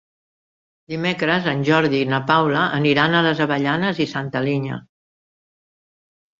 Dimecres en Jordi i na Paula aniran a les Avellanes i Santa Linya.